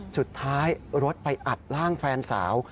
สุดท้ายรถไปอัดร่างแฟนสาว